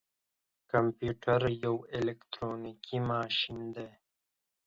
کمپيوټر يو اليکترونيکي ماشين دی.